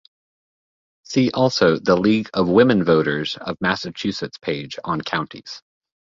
See also the League of Women Voters of Massachusetts page on counties.